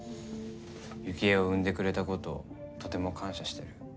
ユキエを産んでくれたこととても感謝してる。